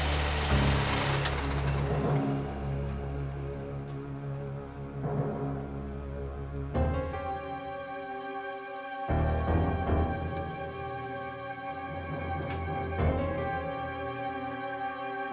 aku gak ada sih